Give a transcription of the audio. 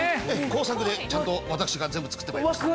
工作でちゃんと私が全部作ってまいりました。